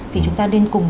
thì chúng ta nên cùng